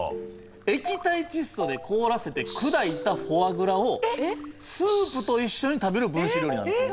液体窒素で凍らせて砕いたフォアグラをスープと一緒に食べる分子料理なんです。